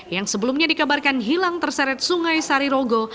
yang sebelumnya dikabarkan hilang terseret sungai sarirogo